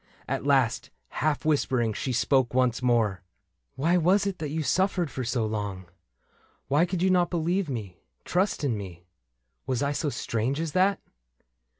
At last, half whispering, she spoke once more :'' Why was it that you suffered for so long ? Why could you not believe me — trust in me ? Was I so strange as that